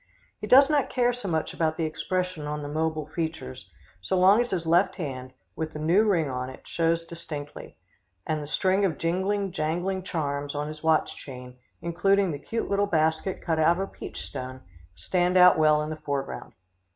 He does not care so much about the expression on the mobile features, so long as his left hand, with the new ring on it, shows distinctly, and the string of jingling, jangling charms on his watch chain, including the cute little basket cut out of a peach stone, stand out well in the foreground.